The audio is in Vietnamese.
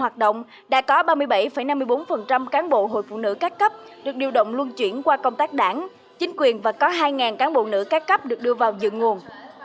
các bộ hội phụ nữ các cấp được điều động luân chuyển qua công tác đảng chính quyền và có hai cán bộ nữ các cấp được đưa vào dựng nguồn